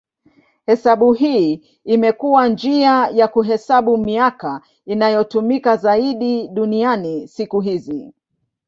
Hesabu hii imekuwa njia ya kuhesabu miaka inayotumika zaidi duniani siku hizi.